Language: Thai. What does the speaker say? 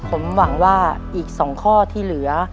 ผมหวังว่าอีก๒ข้อที่เหลือ